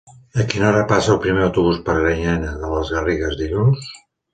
A quina hora passa el primer autobús per Granyena de les Garrigues dilluns?